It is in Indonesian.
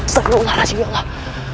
astagfirullahaladzim ya allah